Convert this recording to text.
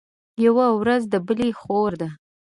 يوه ورځ د بلي خور ده.